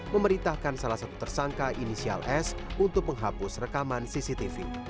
memerintahkan salah satu tersangka inisial s untuk menghapus rekaman cctv